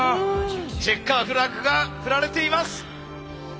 チェッカーフラッグが振られています！